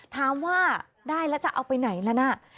ถามว่าได้แล้วจะเอาไปไหนแล้วนะ